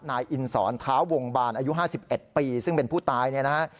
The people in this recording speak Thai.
นายอินศรท้าวงบานอายุห้าสิบเอ็ดปีซึ่งเป็นผู้ตายเนี่ยนะฮะ